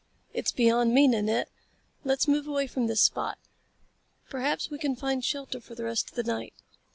"It's beyond me, Nanette. Let's move away from this spot. Perhaps we can find shelter for the rest of the night."